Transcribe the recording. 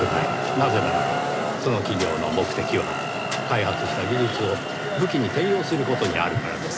なぜならばその企業の目的は開発した技術を武器に転用する事にあるからです。